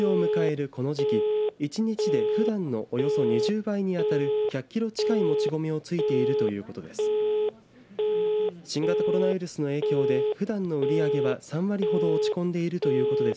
この店では年の瀬を迎えるこの時期一日でふだんのおよそ２０倍にあたる１００キロ近いもち米をついているということです。